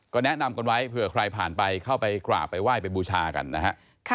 แนะนำกันไว้เผื่อใครผ่านไปเข้าไปกราบไปไหว้ไปบูชากันนะฮะ